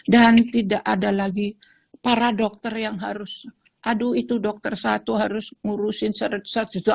dan tidak ada lagi para dokter yang harus aduh itu dokter satu harus ngurusin seratus seratus seratus